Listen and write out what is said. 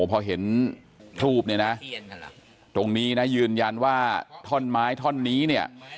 พอเห็นทูปเนี่ยนะตรงนี้นะยืนยันว่าท่อนไม้ท่อนนี้เนี่ย